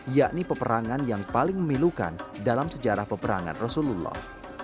yakni peperangan yang paling memilukan dalam sejarah peperangan rasulullah